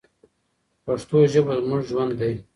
پښتو ژبه زموږ ژوند دی.